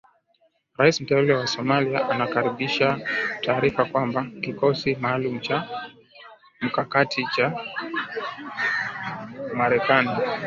Rais mteule wa Somalia anakaribisha taarifa kwamba kikosi maalum cha mkakati cha Marekani